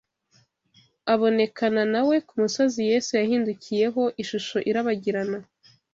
abonekana na we ku musozi Yesu yahindukiyeho ishusho irabagirana